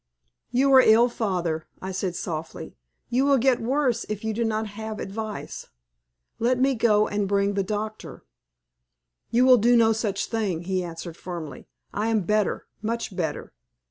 "You are ill, father," I said, softly, "you will get worse if you will not have advice. Let me go and bring the doctor?" "You will do no such thing," he answered, firmly. "I am better much better."